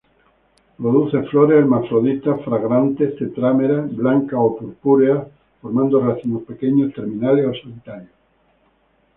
Produce flores hermafroditas, fragantes, tetrámeras, blancas o purpúreas, formando racimos pequeños terminales o solitarias.